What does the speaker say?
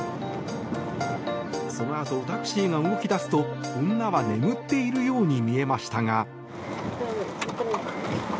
そのあと、タクシーが動き出すと女は眠っているように見えましたが。